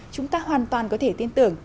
chúng ta hoàn toàn có thể tin tưởng